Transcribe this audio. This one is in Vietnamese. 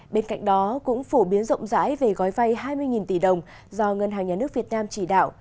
bên cạnh đó cũng phổ biến rộng rãi về gói vay hai mươi tỷ đồng do ngân hàng nhà nước việt nam chỉ đạo